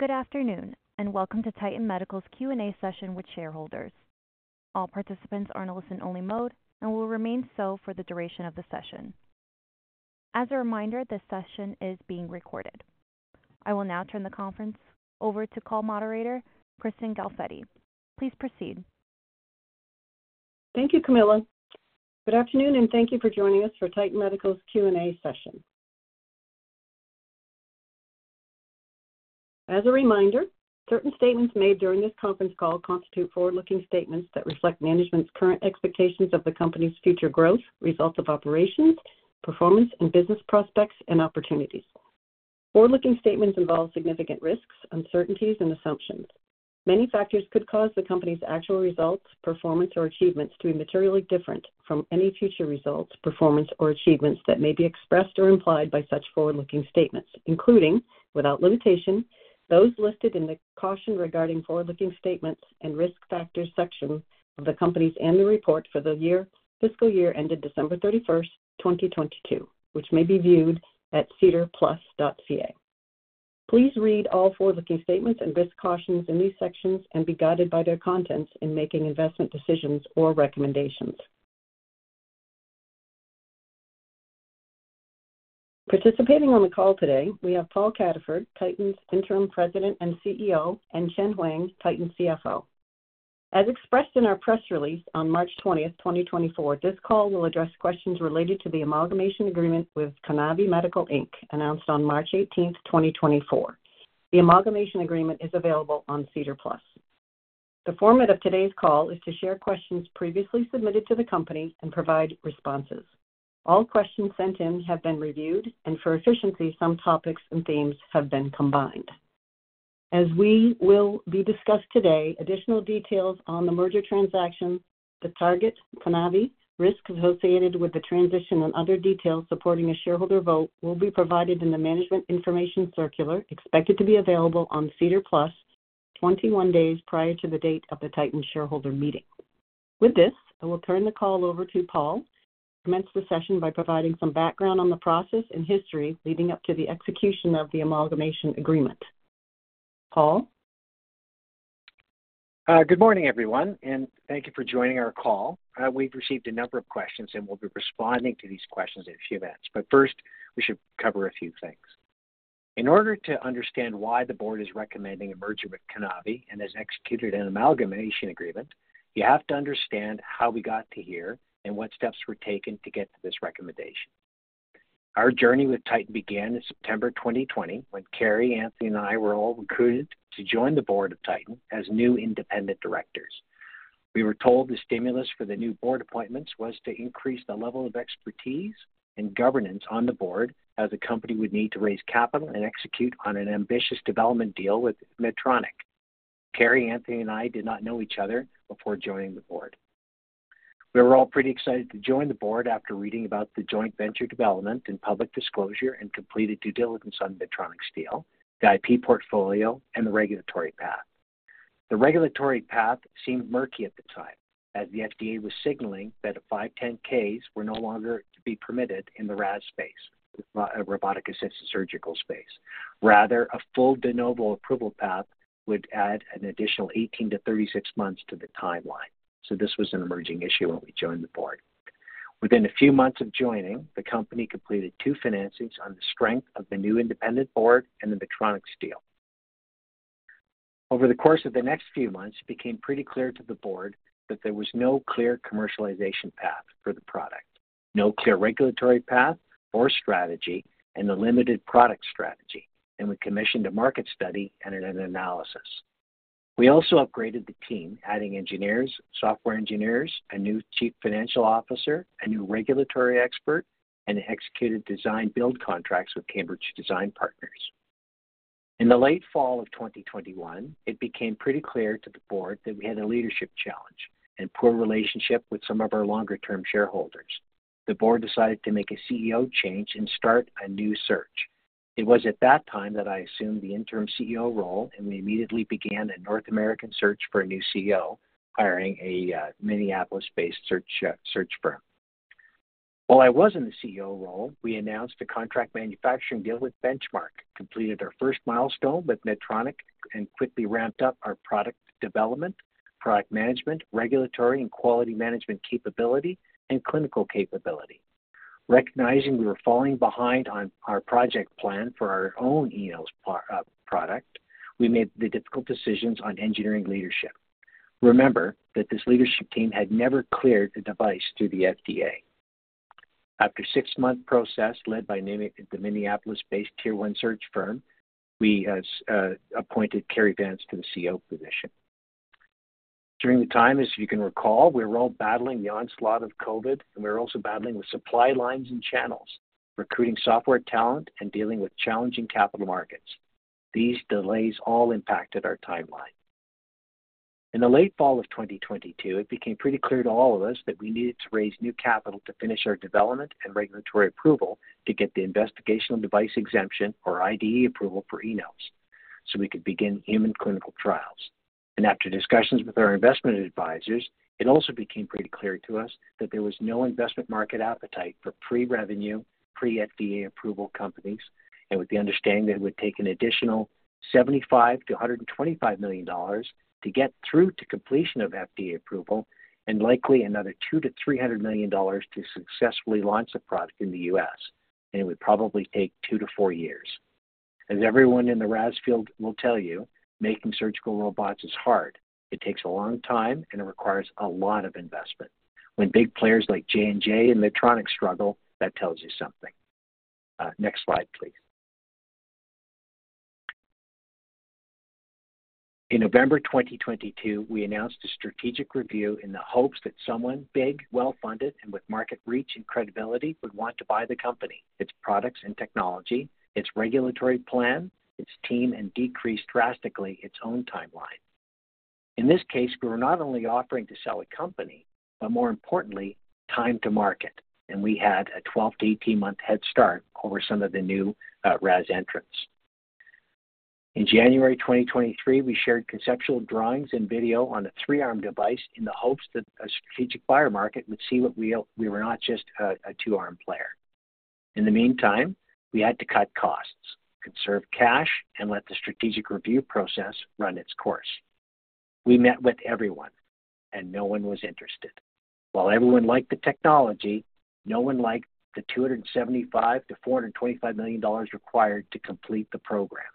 Good afternoon and welcome to Titan Medical's Q&A session with shareholders. All participants are in a listen-only mode and will remain so for the duration of the session. As a reminder, this session is being recorded. I will now turn the conference over to call moderator Kristen Galfetti. Please proceed. Thank you, Camilla. Good afternoon and thank you for joining us for Titan Medical's Q&A session. As a reminder, certain statements made during this conference call constitute forward-looking statements that reflect management's current expectations of the company's future growth, results of operations, performance, and business prospects and opportunities. Forward-looking statements involve significant risks, uncertainties, and assumptions. Many factors could cause the company's actual results, performance, or achievements to be materially different from any future results, performance, or achievements that may be expressed or implied by such forward-looking statements, including, without limitation, those listed in the caution regarding forward-looking statements and risk factors section of the company's annual report for the fiscal year ended December 31st, 2022, which may be viewed at sedarplus.ca. Please read all forward-looking statements and risk cautions in these sections and be guided by their contents in making investment decisions or recommendations. Participating on the call today, we have Paul Cataford, Titan's Interim President and CEO, and Chien Huang, Titan's CFO. As expressed in our press release on March 20th, 2024, this call will address questions related to the amalgamation agreement with Conavi Medical Inc, announced on March 18th, 2024. The amalgamation agreement is available on SEDAR+. The format of today's call is to share questions previously submitted to the company and provide responses. All questions sent in have been reviewed, and for efficiency, some topics and themes have been combined. As we will be discussing today, additional details on the merger transaction, the target Conavi, risk associated with the transition, and other details supporting a shareholder vote will be provided in the management information circular expected to be available on SEDAR+ 21 days prior to the date of the Titan shareholder meeting. With this, I will turn the call over to Paul to commence the session by providing some background on the process and history leading up to the execution of the Amalgamation Agreement. Paul? Good morning, everyone, and thank you for joining our call. We've received a number of questions, and we'll be responding to these questions in a few minutes. But first, we should cover a few things. In order to understand why the board is recommending a merger with Conavi and has executed an amalgamation agreement, you have to understand how we got to here and what steps were taken to get to this recommendation. Our journey with Titan began in September 2020 when Cary, Anthony, and I were all recruited to join the board of Titan as new independent directors. We were told the stimulus for the new board appointments was to increase the level of expertise and governance on the board as the company would need to raise capital and execute on an ambitious development deal with Medtronic. Cary, Anthony, and I did not know each other before joining the board. We were all pretty excited to join the board after reading about the joint venture development and public disclosure and completed due diligence on Medtronic deal, the IP portfolio, and the regulatory path. The regulatory path seemed murky at the time as the FDA was signaling that 510(k)s were no longer to be permitted in the RAS space, the robotic-assisted surgical space. Rather, a full de novo approval path would add an additional 18-36 months to the timeline. So this was an emerging issue when we joined the board. Within a few months of joining, the company completed two finances on the strength of the new independent board and the Medtronic deal. Over the course of the next few months, it became pretty clear to the board that there was no clear commercialization path for the product, no clear regulatory path or strategy, and a limited product strategy. We commissioned a market study and an analysis. We also upgraded the team, adding engineers, software engineers, a new chief financial officer, a new regulatory expert, and executed design-build contracts with Cambridge Design Partnership. In the late fall of 2021, it became pretty clear to the board that we had a leadership challenge and poor relationship with some of our longer-term shareholders. The board decided to make a CEO change and start a new search. It was at that time that I assumed the interim CEO role, and we immediately began a North American search for a new CEO, hiring a Minneapolis-based search firm. While I was in the CEO role, we announced a contract manufacturing deal with Benchmark, completed our first milestone with Medtronic, and quickly ramped up our product development, product management, regulatory and quality management capability, and clinical capability. Recognizing we were falling behind on our project plan for our own Enos product, we made the difficult decisions on engineering leadership. Remember that this leadership team had never cleared a device through the FDA. After a six-month process led by the Minneapolis-based tier-one search firm, we appointed Cary Vance to the CEO position. During the time, as you can recall, we were all battling the onslaught of COVID, and we were also battling with supply lines and channels, recruiting software talent, and dealing with challenging capital markets. These delays all impacted our timeline. In the late fall of 2022, it became pretty clear to all of us that we needed to raise new capital to finish our development and regulatory approval to get the investigational device exemption or IDE approval for Enos so we could begin human clinical trials. After discussions with our investment advisors, it also became pretty clear to us that there was no investment market appetite for pre-revenue, pre-FDA approval companies, and with the understanding that it would take an additional $75 million-$125 million to get through to completion of FDA approval and likely another $200 million-$300 million to successfully launch the product in the U.S. It would probably take two to four years. As everyone in the RAS field will tell you, making surgical robots is hard. It takes a long time, and it requires a lot of investment. When big players like J&J and Medtronic struggle, that tells you something. Next slide, please. In November 2022, we announced a strategic review in the hopes that someone big, well-funded, and with market reach and credibility would want to buy the company, its products and technology, its regulatory plan, its team, and decrease drastically its own timeline. In this case, we were not only offering to sell a company, but more importantly, time to market. We had a 12-month to 18-month head start over some of the new RAS entrants. In January 2023, we shared conceptual drawings and video on a three-arm device in the hopes that a strategic buyer market would see that we were not just a two-arm player. In the meantime, we had to cut costs, conserve cash, and let the strategic review process run its course. We met with everyone, and no one was interested. While everyone liked the technology, no one liked the $275 million-$425 million required to complete the program.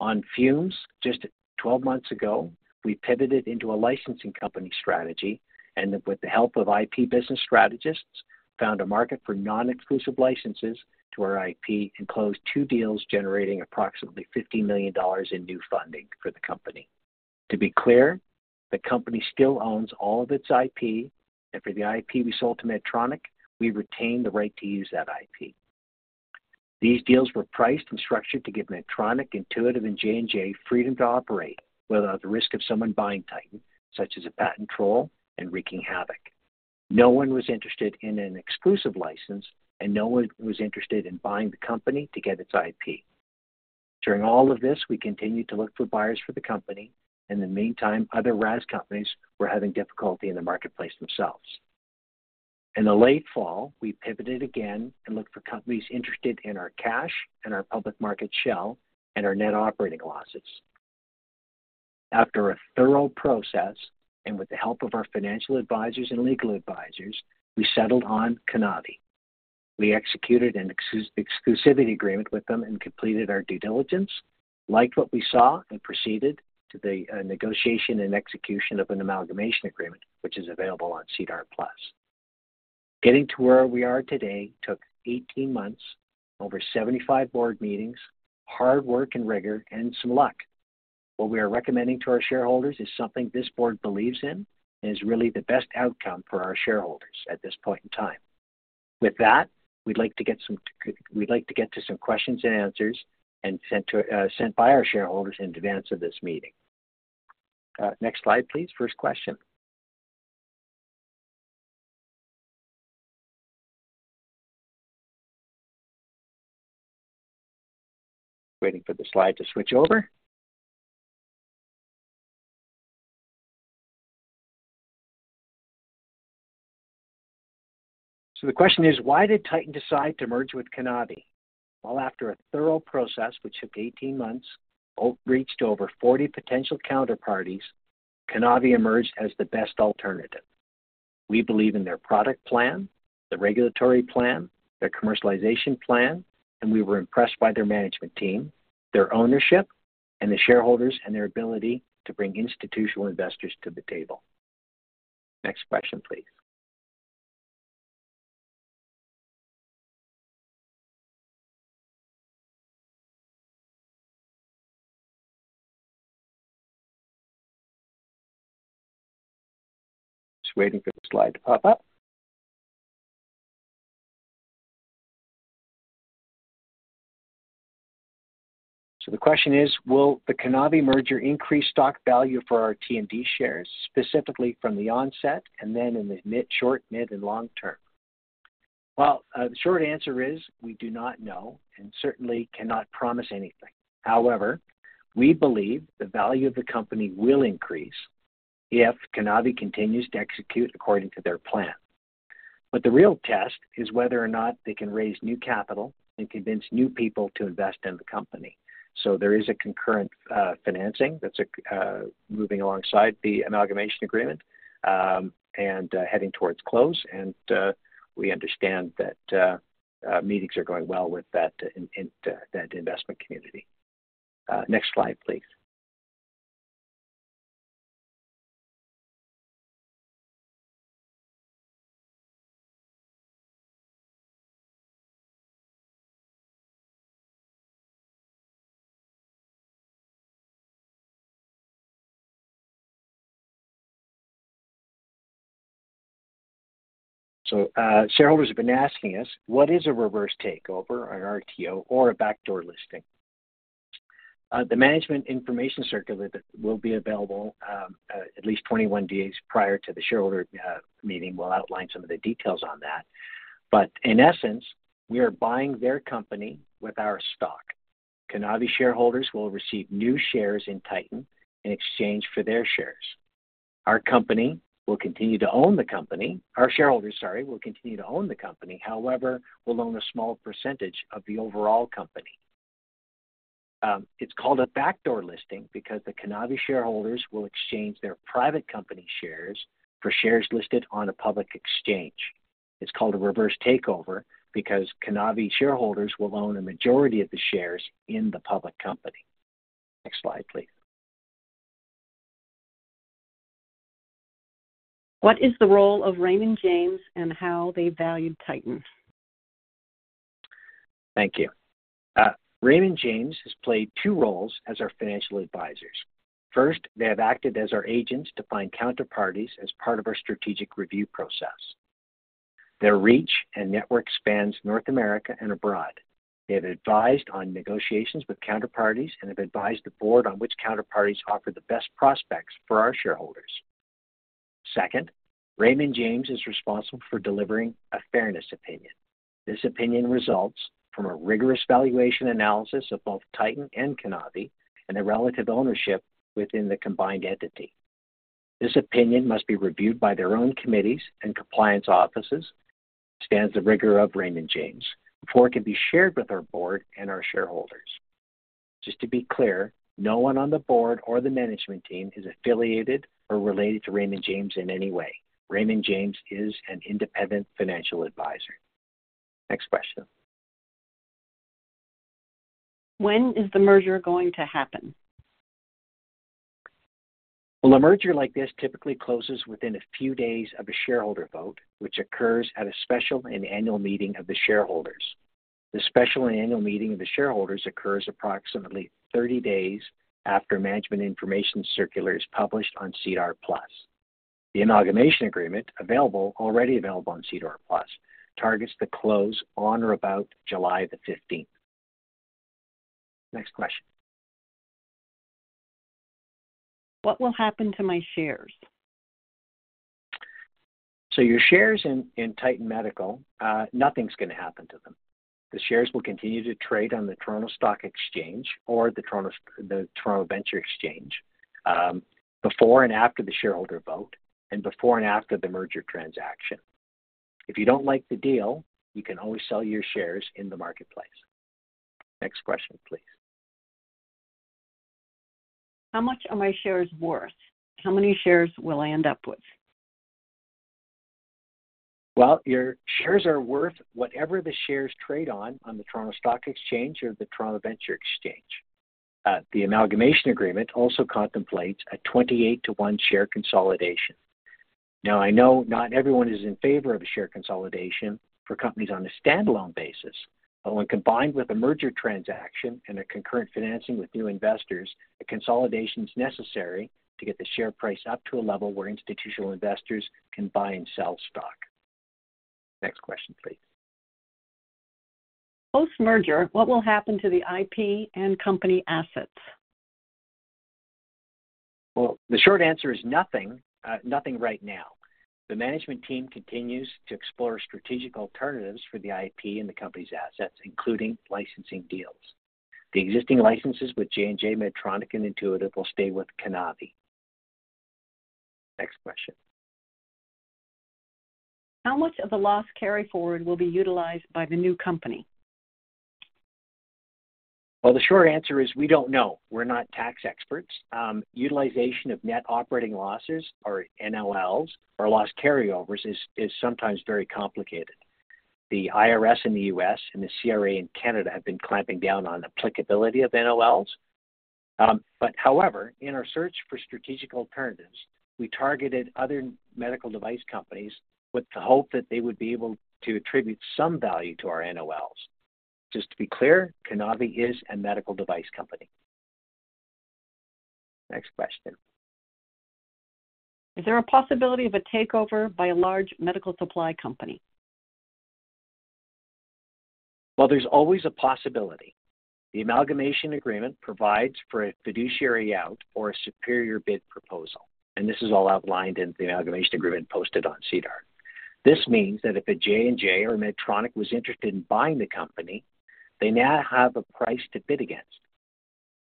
On fumes, just 12 months ago, we pivoted into a licensing company strategy and, with the help of IP business strategists, found a market for non-exclusive licenses to our IP and closed two deals generating approximately $50 million in new funding for the company. To be clear, the company still owns all of its IP, and for the IP we sold to Medtronic, we retained the right to use that IP. These deals were priced and structured to give Medtronic, Intuitive, and J&J freedom to operate, without the risk of someone buying Titan, such as a patent troll and wreaking havoc. No one was interested in an exclusive license, and no one was interested in buying the company to get its IP. During all of this, we continued to look for buyers for the company. In the meantime, other RAS companies were having difficulty in the marketplace themselves. In the late fall, we pivoted again and looked for companies interested in our cash and our public market shell and our net operating losses. After a thorough process and with the help of our financial advisors and legal advisors, we settled on Conavi. We executed an exclusivity agreement with them and completed our due diligence, liked what we saw, and proceeded to the negotiation and execution of an amalgamation agreement, which is available on SEDAR+. Getting to where we are today took 18 months, over 75 board meetings, hard work and rigor, and some luck. What we are recommending to our shareholders is something this board believes in and is really the best outcome for our shareholders at this point in time. With that, we'd like to get to some questions and answers sent by our shareholders in advance of this meeting. Next slide, please. First question. Waiting for the slide to switch over. So the question is, why did Titan decide to merge with Conavi? Well, after a thorough process which took 18 months, reached over 40 potential counterparties, Conavi emerged as the best alternative. We believe in their product plan, the regulatory plan, their commercialization plan, and we were impressed by their management team, their ownership, and the shareholders and their ability to bring institutional investors to the table. Next question, please. Just waiting for the slide to pop up. So the question is, will the Conavi merger increase stock value for our TMD shares, specifically from the onset and then in the short, mid, and long term? Well, the short answer is we do not know and certainly cannot promise anything. However, we believe the value of the company will increase if Conavi continues to execute according to their plan. But the real test is whether or not they can raise new capital and convince new people to invest in the company. So there is a concurrent financing that's moving alongside the amalgamation agreement and heading towards close. And we understand that meetings are going well with that investment community. Next slide, please. So shareholders have been asking us, what is a reverse takeover or RTO or a backdoor listing? The management information circular that will be available at least 21 days prior to the shareholder meeting will outline some of the details on that. But in essence, we are buying their company with our stock. Conavi shareholders will receive new shares in Titan in exchange for their shares. Our company will continue to own the company. Our shareholders, sorry, will continue to own the company. However, we'll own a small percentage of the overall company. It's called a backdoor listing because the Conavi shareholders will exchange their private company shares for shares listed on a public exchange. It's called a reverse takeover because Conavi shareholders will own a majority of the shares in the public company. Next slide, please. What is the role of Raymond James and how they valued Titan? Thank you. Raymond James has played two roles as our financial advisors. First, they have acted as our agents to find counterparties as part of our strategic review process. Their reach and network spans North America and abroad. They have advised on negotiations with counterparties and have advised the board on which counterparties offer the best prospects for our shareholders. Second, Raymond James is responsible for delivering a fairness opinion. This opinion results from a rigorous valuation analysis of both Titan and Conavi and the relative ownership within the combined entity. This opinion must be reviewed by their own committees and compliance offices and withstands the rigor of Raymond James before it can be shared with our board and our shareholders. Just to be clear, no one on the board or the management team is affiliated or related to Raymond James in any way. Raymond James is an independent financial advisor. Next question. When is the merger going to happen? Well, a merger like this typically closes within a few days of a shareholder vote, which occurs at a special and annual meeting of the shareholders. The special and annual meeting of the shareholders occurs approximately 30 days after management information circular is published on SEDAR+. The Amalgamation Agreement, already available on SEDAR+, targets the close on or about July 15th. Next question. What will happen to my shares? So your shares in Titan Medical, nothing's going to happen to them. The shares will continue to trade on the Toronto Stock Exchange or the TSX Venture Exchange before and after the shareholder vote and before and after the merger transaction. If you don't like the deal, you can always sell your shares in the marketplace. Next question, please. How much are my shares worth? How many shares will I end up with? Well, your shares are worth whatever the shares trade on the Toronto Stock Exchange or the TSX Venture Exchange. The amalgamation agreement also contemplates a 28-to-1 share consolidation. Now, I know not everyone is in favor of a share consolidation for companies on a standalone basis, but when combined with a merger transaction and a concurrent financing with new investors, a consolidation is necessary to get the share price up to a level where institutional investors can buy and sell stock. Next question, please. Post-merger, what will happen to the IP and company assets? Well, the short answer is nothing right now. The management team continues to explore strategic alternatives for the IP and the company's assets, including licensing deals. The existing licenses with J&J, Medtronic, and Intuitive will stay with Conavi. Next question. How much of the loss carryforward will be utilized by the new company? Well, the short answer is we don't know. We're not tax experts. Utilization of net operating losses, or NOLs, or loss carryovers is sometimes very complicated. The IRS in the U.S. and the CRA in Canada have been clamping down on the applicability of NOLs. But however, in our search for strategic alternatives, we targeted other medical device companies with the hope that they would be able to attribute some value to our NOLs. Just to be clear, Conavi is a medical device company. Next question. Is there a possibility of a takeover by a large medical supply company? Well, there's always a possibility. The amalgamation agreement provides for a fiduciary out or a superior bid proposal. This is all outlined in the amalgamation agreement posted on SEDAR+. This means that if a J&J or Medtronic was interested in buying the company, they now have a price to bid against.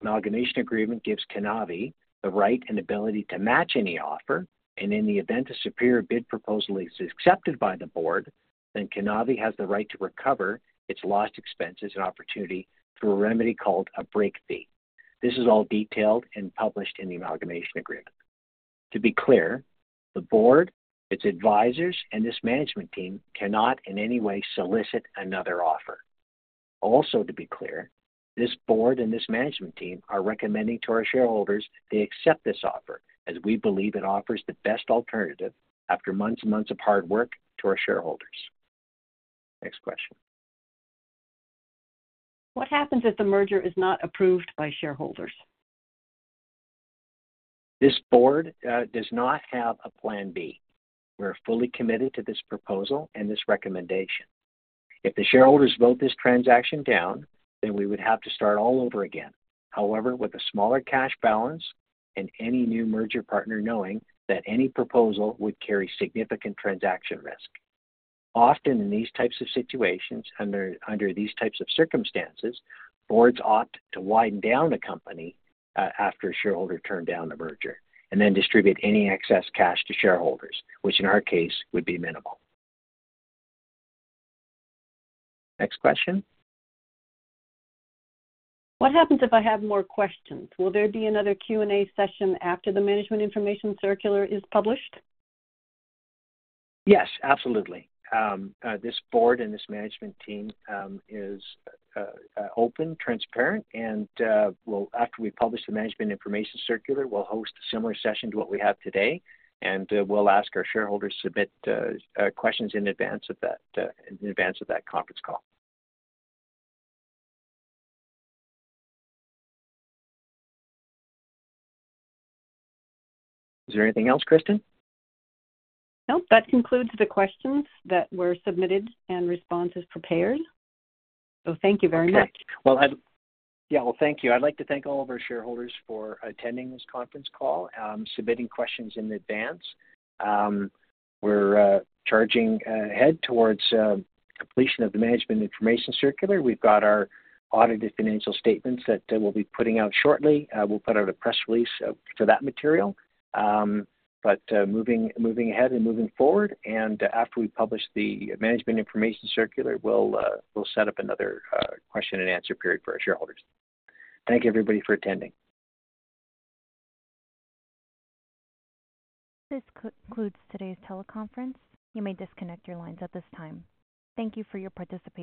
The amalgamation agreement gives Conavi the right and ability to match any offer. In the event a superior bid proposal is accepted by the board, then Conavi has the right to recover its lost expenses and opportunity through a remedy called a break fee. This is all detailed and published in the amalgamation agreement. To be clear, the board, its advisors, and this management team cannot in any way solicit another offer. Also, to be clear, this board and this management team are recommending to our shareholders they accept this offer as we believe it offers the best alternative after months and months of hard work to our shareholders. Next question. What happens if the merger is not approved by shareholders? This Board does not have a plan B. We are fully committed to this proposal and this recommendation. If the shareholders vote this transaction down, then we would have to start all over again, however, with a smaller cash balance and any new merger partner knowing that any proposal would carry significant transaction risk. Often, in these types of situations and under these types of circumstances, boards opt to wind down a company after a shareholder turned down the merger and then distribute any excess cash to shareholders, which in our case would be minimal. Next question. What happens if I have more questions? Will there be another Q&A session after the management information circular is published? Yes, absolutely. This Board and this management team is open, transparent, and after we publish the management information circular, we'll host a similar session to what we have today. And we'll ask our shareholders to submit questions in advance of that conference call. Is there anything else, Kristen? Nope. That concludes the questions that were submitted, and responses prepared. So thank you very much. Okay. Well, yeah, well, thank you. I'd like to thank all of our shareholders for attending this conference call, submitting questions in advance. We're charging ahead toward completion of the management information circular. We've got our audited financial statements that we'll be putting out shortly. We'll put out a press release for that material. But moving ahead and moving forward, and after we publish the management information circular, we'll set up another question and answer period for our shareholders. Thank you, everybody, for attending. This concludes today's teleconference. You may disconnect your lines at this time. Thank you for your participation.